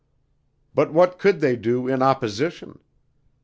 But what could they do in opposition?